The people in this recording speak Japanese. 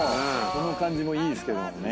この感じもいいっすけどね。